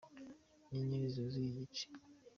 inyenyeri zuzuye igicu.